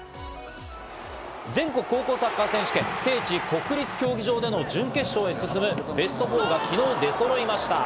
全国高校サッカー選手権、聖地・国立競技場での準決勝へ進むベスト４が昨日出揃いました。